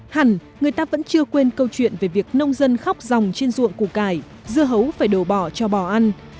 hẳn người ta vẫn chưa quên câu chuyện về việc nông dân khóc dòng trên ruộng củ cải dưa hấu phải đổ bỏ cho bò ăn